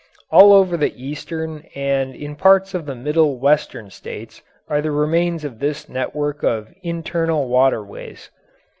All over the Eastern and in parts of the Middle Western states are the remains of this network of internal waterways.